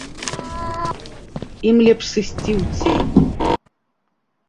Ім лепш сысці ў цень.